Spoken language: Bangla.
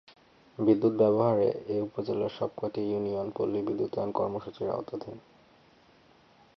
বিদ্যুৎ ব্যবহার এ উপজেলার সবক’টি ইউনিয়ন পল্লিলবিদ্যুতায়ন কর্মসূচির আওতাধীন।